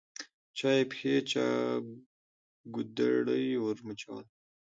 چا یې پښې چا ګودړۍ ورمچوله